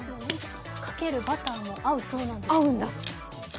かけるバターも合うそうなんです。